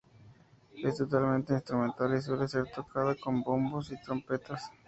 Es totalmente instrumental y suele ser tocada con bombos y trompetas.